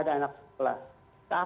tetapi kami hanya memprekonsumsi dulu